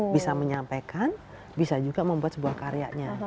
bisa menyampaikan bisa juga membuat sebuah karyanya